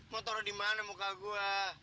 mau taro dimana muka gue